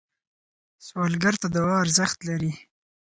سوالګر ته دعا ارزښت لري